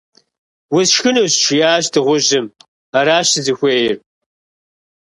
- Усшхынущ, - жиӏащ дыгъужьым. - Аращ сызыхуейр.